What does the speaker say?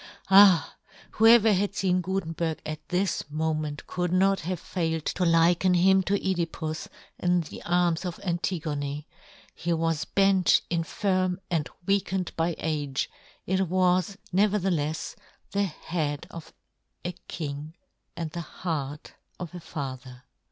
, Ah ! whoever had feen Gutenberg at this moment could not have failed to liken him to CEdipus in the arms of Antigone ; he was bent, infirm, and weakened by age ; it was, neverthelefs, the head of a king and the heart of a father.